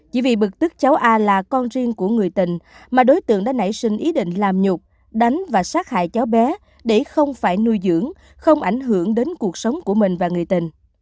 chỉ vì bực tức cháu a là con riêng của người tình mà đối tượng đã nảy sinh ý định làm nhục đánh và sát hại cháu bé để không phải nuôi dưỡng không ảnh hưởng đến cuộc sống của mình và người tình